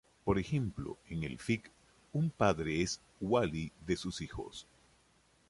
Por ejemplo en el fiqh, un padre es "wali" de sus hijos.